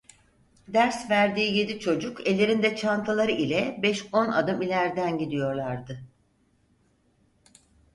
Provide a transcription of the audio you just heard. Ders verdiği yedi çocuk ellerinde çantaları ile beş on adım ilerden gidiyorlardı.